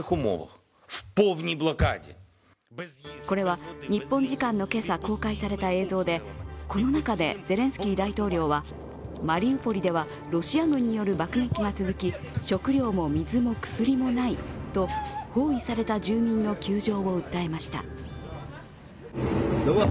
これは日本時間の今朝公開された映像でこの中でゼレンスキー大統領はマリウポリではロシア軍による爆撃が続き食料も水も薬もないと包囲された住民の窮状を訴えました。